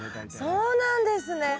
あっそうなんですね！